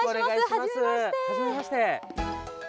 はじめまして。